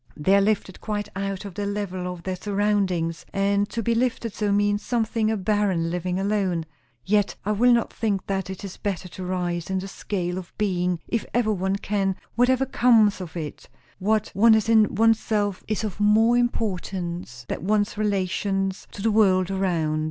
They are lifted quite out of the level of their surroundings; and to be lifted so, means sometimes a barren living alone. Yet I will not think that; it is better to rise in the scale of being, if ever one can, whatever comes of it; what one is in oneself is of more importance than one's relations to the world around.